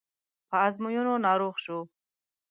په ازموینو ناروغ شو.